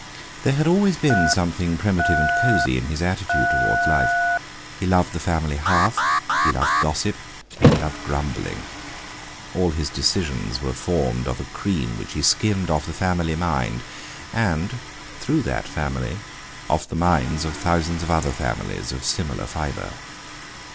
There had always been something primitive and cosy in his attitude towards life; he loved the family hearth, he loved gossip, and he loved grumbling. All his decisions were formed of a cream which he skimmed off the family mind; and, through that family, off the minds of thousands of other families of similar fibre.